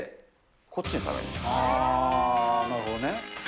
あー、なるほどね。